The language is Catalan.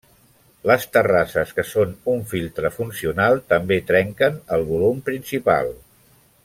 Les terrasses, que són un filtre funcional, també trenquen el volum principal.